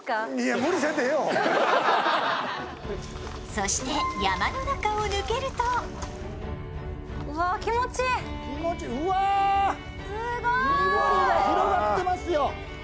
そして山の中を抜けるとうわ、緑が広がってますよ。